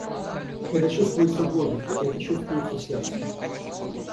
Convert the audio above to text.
Это чувствуется в воздухе, это чувствуется сердцем.